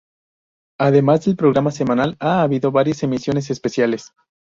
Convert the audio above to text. Además del programa semanal, ha habido varias emisiones especiales.